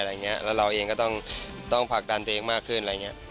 และเราเองก็ต้องพักดันตัวเองมากขึ้น